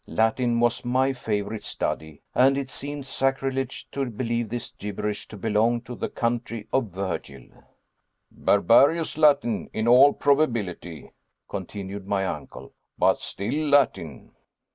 Latin was my favorite study, and it seemed sacrilege to believe this gibberish to belong to the country of Virgil. "Barbarous Latin, in all probability," continued my uncle, "but still Latin."